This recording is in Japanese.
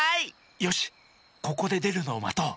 よしここででるのをまとう。